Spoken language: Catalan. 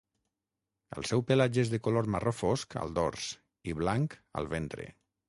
El seu pelatge és de color marró fosc al dors i blanc al ventre.